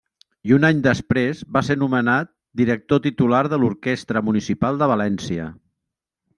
I un any després va ser nomenat Director Titular de l'Orquestra Municipal de València.